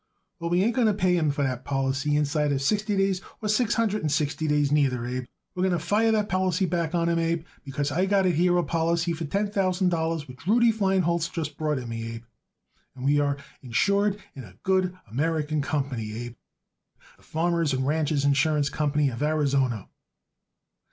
"Well, we ain't going to pay him for that policy inside of sixty days or six hundred and sixty days, neither, Abe. We're going to fire that policy back on him, Abe, because I got it here a policy for ten thousand dollars which Rudy Feinholz just brought it me, Abe, and we are insured in a good American company, Abe, the Farmers and Ranchers' Insurance Company, of Arizona."